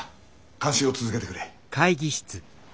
監視を続けてくれ。